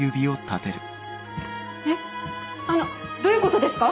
えっあのどういうことですか？